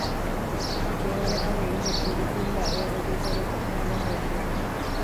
upévare avei ndaipóri kuimba'e ojesareko'ỹva hese.